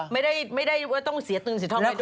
ไม่ได้ต้องเสียเงินเสียทองให้ด้วย